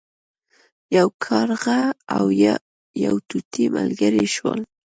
یو کارغه او یو طوطي ملګري شول.